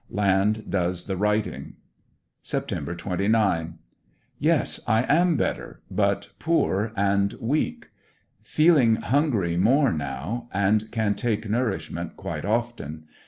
Land does the writing. Sept. 29. — Yes, I am better, but poor ani weak. Feeling hun gry more now, and can take nourishment quite often.